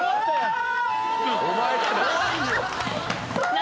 何？